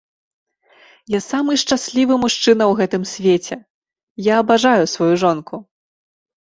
Я самы шчаслівы мужчына ў гэтым свеце, я абажаю сваю жонку.